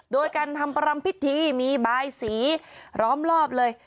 โดยการทำปรัมพิธีมีบายสีร้อมเลย